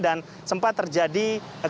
dan sempat terjadi